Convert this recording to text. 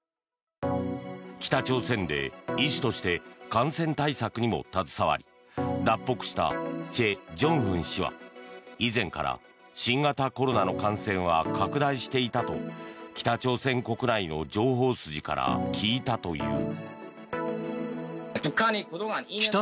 北朝鮮で医師として感染対策にも携わり脱北したチェ・ジョンフン氏は以前から新型コロナの感染は拡大していたと北朝鮮国内の情報筋から聞いたという。